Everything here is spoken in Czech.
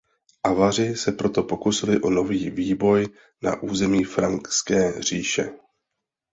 Avaři se proto pokusili o nový výboj na území franské říše.